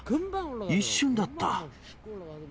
一瞬だった。